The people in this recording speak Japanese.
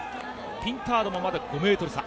ピンタードもまだ５ｍ差。